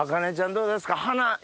どうですか？